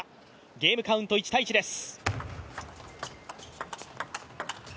ゲームカウント１−１です。